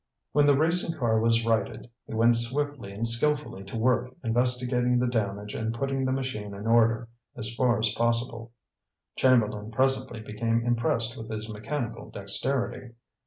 When the racing car was righted, he went swiftly and skilfully to work investigating the damage and putting the machine in order, as far as possible. Chamberlain presently became impressed with his mechanical dexterity.